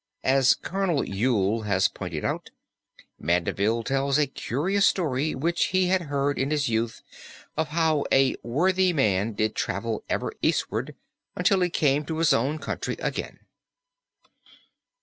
As Col. Yule has pointed out, Mandeville tells a curious story which he had heard in his youth of how "a worthy man did travel ever eastward until he came to his own country again."